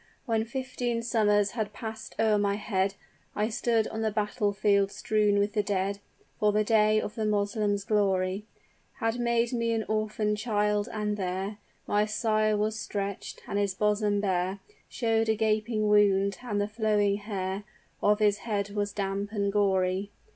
"When fifteen summers had passed o'er my head, I stood on the battle field strewn with the dead. For the day of the Moslem's glory Had made me an orphan child, and there My sire was stretched; and his bosom bare Showed a gaping wound; and the flowing hair Of his head was damp and gory.